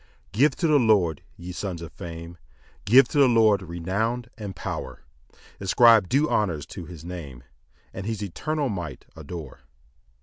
1 Give to the Lord, ye sons of fame, Give to the Lord renown and power, Ascribe due honours to his name, And his eternal might adore.